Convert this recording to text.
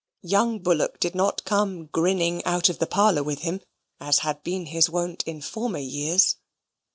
Young Bullock did not come grinning out of the parlour with him as had been his wont in former years.